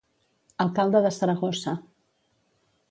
Alcalde de Saragossa.